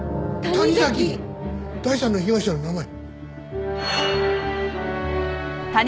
第三の被害者の名前。